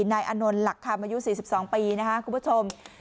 นายอานนท์หลักคำอายุ๔๒ปีนะครับคุณผู้ชม